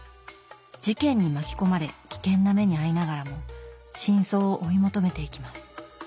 事件に巻き込まれ危険な目に遭いながらも真相を追い求めていきます。